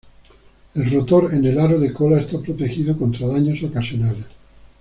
El rotor en el aro de cola está protegido contra daños ocasionales.